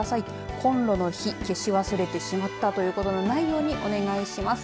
コンロの火消し忘れてしまったということがないようにお願いします。